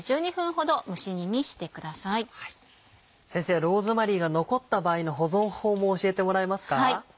先生ローズマリーが残った場合の保存法も教えてもらえますか？